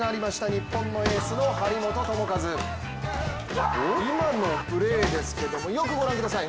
日本のエースの張本智和、今のプレーですけれどもよく御覧ください。